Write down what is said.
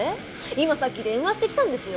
今さっき電話してきたんですよ。